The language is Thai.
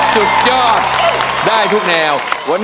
สุดยอดได้ทุกแนว